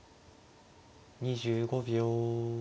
２５秒。